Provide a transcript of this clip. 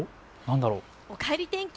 おかえり天気